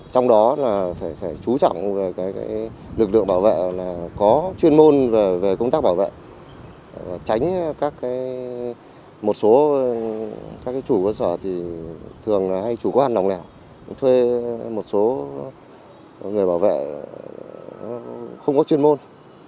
trong đó phải chú trọng lực lượng bảo vệ có chuyên môn về công tác bảo vệ tránh một số chủ quân sở hay chủ quan đồng lẻo thuê một số người bảo vệ không có chuyên môn